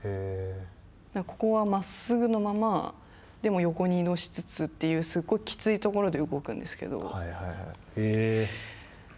ここはまっすぐのままでも横に移動しつつというすごいきついところで動くんですけど。